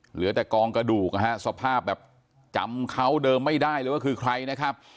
เหลือแต่กองกระดูกนะฮะสภาพแบบจำเขาเดิมไม่ได้เลยว่าคือใครนะครับ